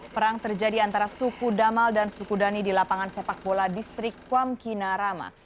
perang terjadi antara suku damal dan suku dhani di lapangan sepak bola distrik kuamki narama